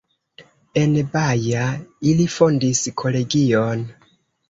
En Baja ili fondis kolegion.